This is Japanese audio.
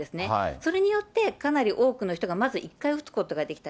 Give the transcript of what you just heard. それによってかなり多くの人がまず１回打つことができた。